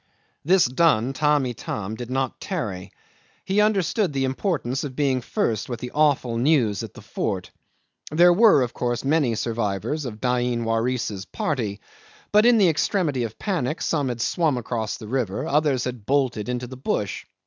'This done, Tamb' Itam did not tarry. He understood the importance of being the first with the awful news at the fort. There were, of course, many survivors of Dain Waris's party; but in the extremity of panic some had swum across the river, others had bolted into the bush.